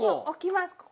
置きます